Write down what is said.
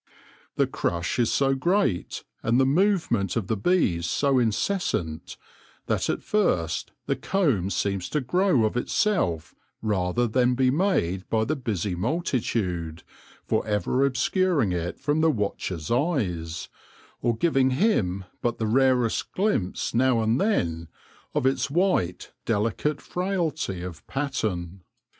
The crush is so great, and the movement of the bees so incessant, that at first the comb seems to grow of itself rather than be made by the busy multitude, for ever obscur ing it from the watcher's eyes, or giving him but the rarest glimpse now and then of its white, delicate frailty of pattern.